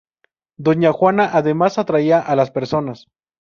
Doña Juana además atraía a las personas.